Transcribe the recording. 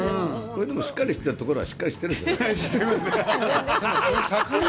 しっかりしてるところは、しっかりしてるんですよ。